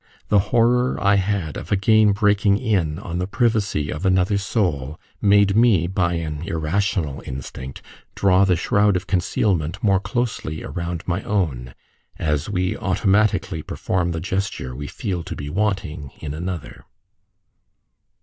The horror I had of again breaking in on the privacy of another soul, made me, by an irrational instinct, draw the shroud of concealment more closely around my own, as we automatically perform the gesture we feel to be wanting in another.